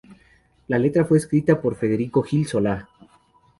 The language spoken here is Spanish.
La letra fue escrita por Federico Gil Solá.